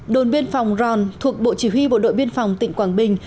đồn biên phòng ròn thuộc bộ chỉ huy bộ đội biên phòng tỉnh quảng bình